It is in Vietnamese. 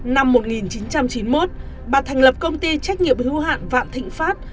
năm một nghìn chín trăm chín mươi một bà thành lập công ty trách nhiệm hữu hạn vạn thịnh pháp